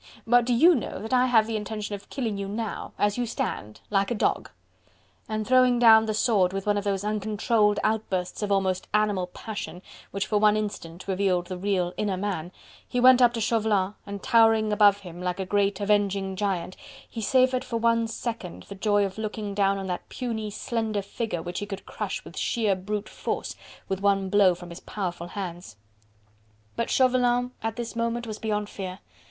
But do YOU know that I have the intention of killing you now... as you stand... like a dog!..." And throwing down the sword with one of those uncontrolled outbursts of almost animal passion, which for one instant revealed the real, inner man, he went up to Chauvelin and towering above him like a great avenging giant, he savoured for one second the joy of looking down on that puny, slender figure which he could crush with sheer brute force, with one blow from his powerful hands. But Chauvelin at this moment was beyond fear.